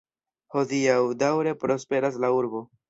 Hodiaŭ daŭre prosperas la Urbo.